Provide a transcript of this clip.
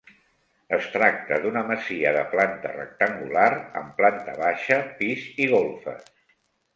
Es tracta d'una masia de planta rectangular amb planta baixa, pis i golfes.